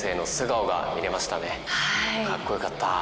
かっこよかった。